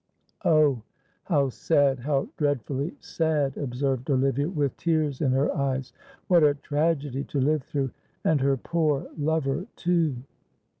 "Oh, how sad how dreadfully sad!" observed Olivia, with tears in her eyes. "What a tragedy to live through. And her poor lover too!"